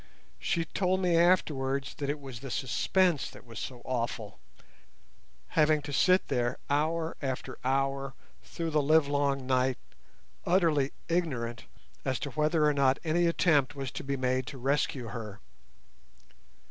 She told me afterwards that it was the suspense that was so awful, having to sit there hour after hour through the livelong night utterly ignorant as to whether or not any attempt was to be made to rescue her.